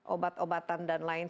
obat obatan dan lain